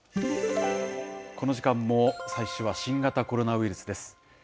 この時間も最初は新型コロナウイルスです。